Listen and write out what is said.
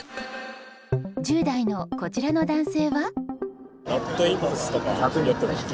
１０代のこちらの男性は。